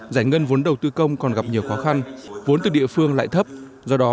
giải ngân vốn đầu tư công còn gặp nhiều khó khăn vốn từ địa phương lại thấp do đó